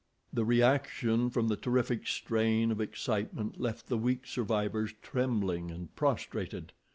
The reaction from the terrific strain of excitement left the weak survivors trembling and prostrated.